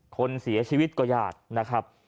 คนเสียชีวิตก็ยากนะครับ